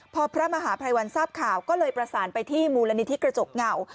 พอพระมหาภัยวันทราบข่าวก็เลยประสานไปที่มูลนิธิกระจกเงา